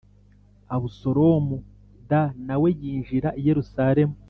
Abusalomu d na we yinjira i Yerusalemu